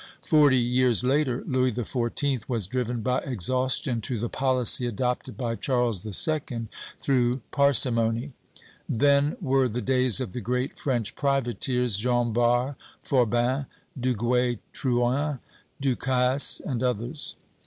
Forty years later, Louis XIV. was driven, by exhaustion, to the policy adopted by Charles II. through parsimony. Then were the days of the great French privateers, Jean Bart, Forbin, Duguay Trouin, Du Casse, and others.